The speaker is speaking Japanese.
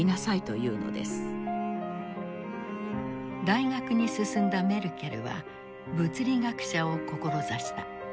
大学に進んだメルケルは物理学者を志した。